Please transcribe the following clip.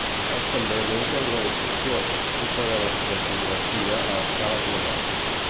És també l'única organització que s'ocupa de l'estratigrafia a escala global.